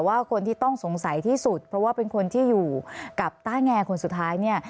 ว่าคนที่ต้องสงสัยที่สุดเพราะว่าเป็นคนที่อยู่กับต้าแงคนสุดท้ายเนี่ย